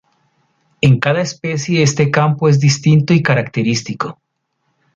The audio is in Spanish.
En cada especie este campo es distinto y característico.